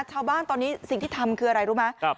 ชาวบ้านตอนนี้สิ่งที่ทำคืออะไรรู้ไหม